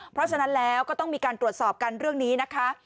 เพราะฉะนั้นแล้วก็ต้องมีการตรวจสอบกันเรื่องนี้นะคะ